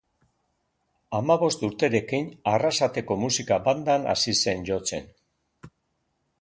Hamabost urterekin, Arrasateko Musika Bandan hasi zen jotzen.